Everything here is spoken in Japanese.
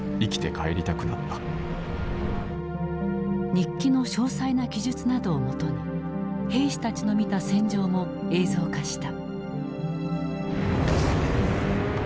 日記の詳細な記述などをもとに兵士たちの見た戦場も映像化した。